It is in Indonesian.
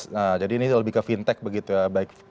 nah jadi ini lebih ke fintech begitu ya